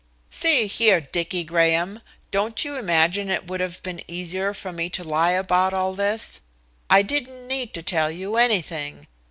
"See here, Dicky Graham, don't you imagine it would have been easier for me to lie about all this? I didn't need to tell you anything.